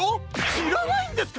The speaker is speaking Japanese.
しらないんですか！？